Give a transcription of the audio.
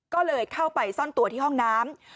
ก็เลยเข้าไปซ่อนตัวที่ห้องน้ำ